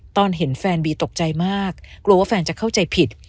ตอนเห็นแฟนบีตกใจมากกลัวว่าแฟนจะเข้าใจผิด